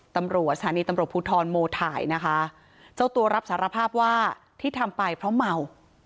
ตำรวจสถานีตำรวจภูทรโมถ่ายนะคะเจ้าตัวรับสารภาพว่าที่ทำไปเพราะเมา